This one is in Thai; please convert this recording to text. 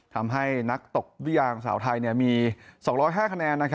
ทำให้นักตกวิ่งสาวไทยมี๒๐๕คะแนน